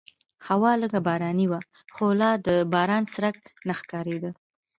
هوا لږه باراني وه خو لا د باران څرک نه ښکارېده.